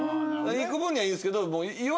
行く分にはいいんですけど。